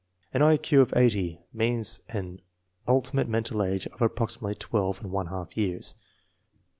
An I Q of 80 means an ultimate mental age of ap proximately twelve and one half years.